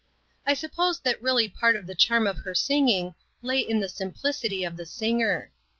I suppose that really part of the COMFORTED. 299 charm of her singing lay in the simplicity of the singer.